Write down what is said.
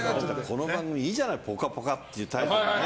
この番組いいじゃない「ぽかぽか」っていうタイトルで。